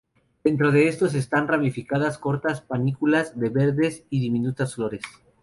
Dentro de estos están ramificadas cortas panículas de verdes y diminutas flores.